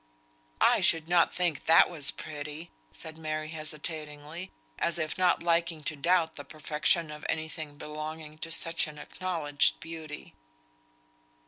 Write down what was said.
"I should not think that was pretty," said Mary, hesitatingly; as if not liking to doubt the perfection of any thing belonging to such an acknowledged beauty.